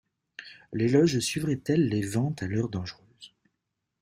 Les Loges suivraient-elles les Ventes à l'heure dangereuse?